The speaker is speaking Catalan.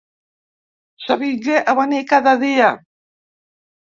S'avingué a venir cada dia.